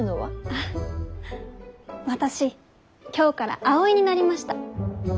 あ私今日から葵になりました。